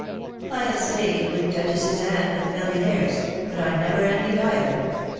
" I have stayed with duchesses and with millionaires — but I never envied either.